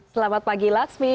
selamat pagi laksmi